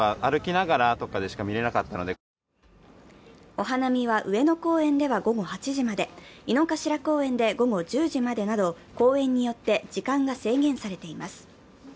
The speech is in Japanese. お花見は上野公園では午後８時まで、井の頭公園で午後１０時までなど公園によって時間が制限されています。